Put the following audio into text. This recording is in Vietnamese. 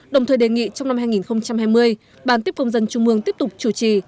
đồng thời đề nghị trong năm hai nghìn hai mươi ban tiếp công dân trung mương tiếp tục chủ trì